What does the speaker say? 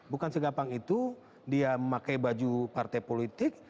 bukan segampang itu dia memakai baju partai politik